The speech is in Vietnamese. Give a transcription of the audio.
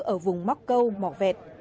ở vùng móc câu mỏ vẹt